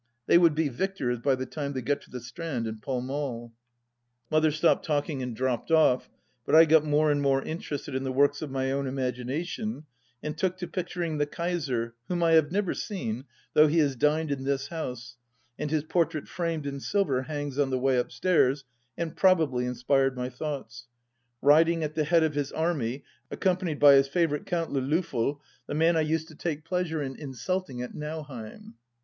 They would be victors by the time they got to the Strand and Pall Mall. ... Mother stopped talking and dropped oft, but I got more and more interested in the works of my own imagination, and took to picturing the Kaiser— whom I have never seen, though he has dined in this house, and his portrait framed m silver hangs on the way upstairs, and probably inspired my thoughts— riding at the head of his army, accompanied by his favourite Count Le Loftel, the man I used to take pleasure THE LAST DITCH 181 in insulting at Nauheim.